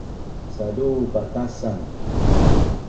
Sadu patasan